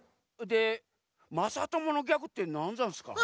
でまさとものギャグってなんざんすか？